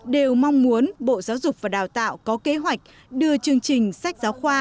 đều mong muốn bộ giáo dục và đào tạo có kế hoạch đưa chương trình sách giáo khoa